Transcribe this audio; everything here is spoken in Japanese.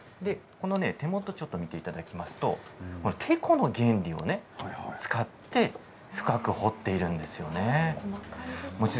手元をちょっと見ていただきますとてこの原理を使って深く彫っているんですよね。